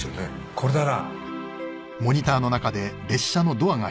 これだな。